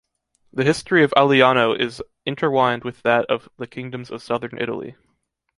The history of Aliano is intertwined with that of the kingdoms of Southern Italy.